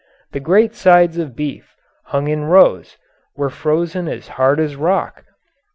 The great sides of beef, hung in rows, were frozen as hard as rock.